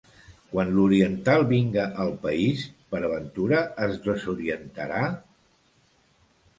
Quan l'oriental vinga al país, per ventura es desorientarà?